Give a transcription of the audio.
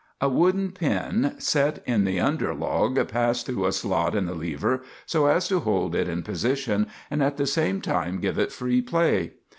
A wooden pin set in the under log passed through a slot in the lever, so as to hold it in position and at the same time give it free play.